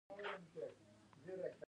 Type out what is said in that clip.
د پروان سیلابونو ولې ډیر زیان واړوه؟